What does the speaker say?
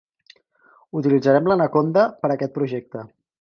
Utilitzarem l'Anaconda per aquest projecte.